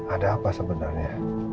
ada apa sebenarnya